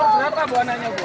berapa bu anaknya bu